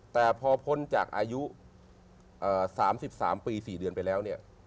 แต่พอพ้นจากอายุ๓๓ปี๔เดือนไปแล้วเนี่ย